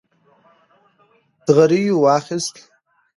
غريو واخيست.